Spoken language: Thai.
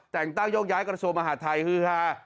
แต่งตั้งยกย้ายกระทรวงมหาดไทยฮือฮา